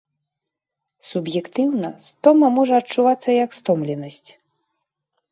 Суб'ектыўна стома можа адчувацца як стомленасць.